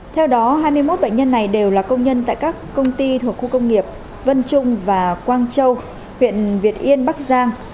theo đó hai mươi một bệnh nhân này đều là công nhân tại các công ty thuộc khu công nghiệp vân trung và quang châu huyện việt yên bắc giang